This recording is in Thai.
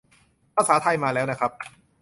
ภาษาไทยมาแล้วนะครับ